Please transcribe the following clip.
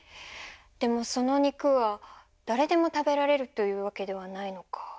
でもその肉はだれでも食べられるというわけではないのか。